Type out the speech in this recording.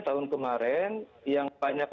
tahun kemarin yang banyak